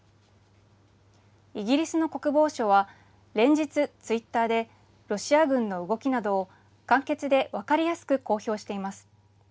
イギリスの国防省は連日、ツイッターでロシア軍の動きなどを、簡潔で分かりやすく公表しています。